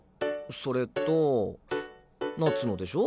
それと夏野でしょ。